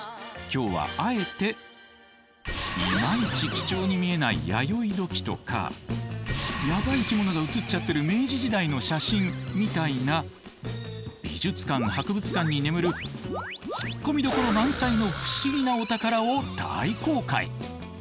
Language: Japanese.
今日はあえていまいち貴重に見えない弥生土器とかヤバい生き物が写っちゃってる明治時代の写真みたいな美術館・博物館に眠るツッコミどころ満載の不思議なお宝を大公開！